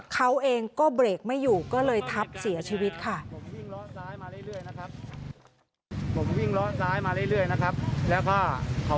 เขาเองก็เบรกไม่อยู่ก็เลยทับเสียชีวิตค่ะ